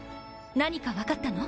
何か分かったの？